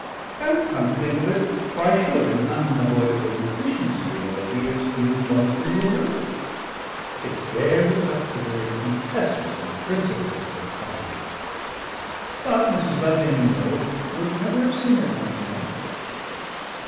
And come to think of it, why should an unavoidable deficiency in a lady excuse one that can be avoided? It's there we touch the very quintessence and central principle of the proper life. But Mrs. Bunting, you know, would never have seen it like that.